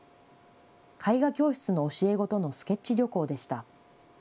絵画教室の教え子とのスケッチ旅行でした。